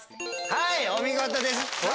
はいお見事です。